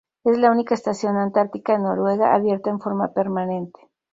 Es la única estación antártica noruega abierta en forma permanente.